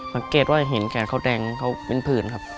สังเกตว่าเห็นแขนเขาแดงเขาเป็นผื่นครับ